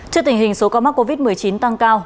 trước tình hình số ca mắc covid một mươi chín tăng cao